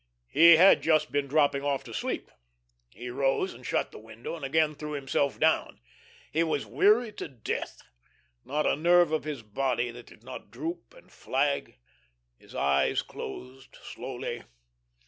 He had just been dropping off to sleep. He rose and shut the window, and again threw himself down. He was weary to death; not a nerve of his body that did not droop and flag. His eyes closed slowly.